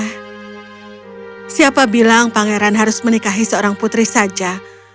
nah siapa bilang pangeran harus menikahi seorang putri saja